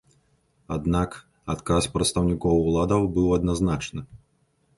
Аднак адказ прадстаўнікоў уладаў быў адназначны.